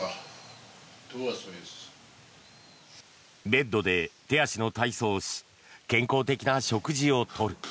ベッドで手足の体操をし健康的な食事を取る。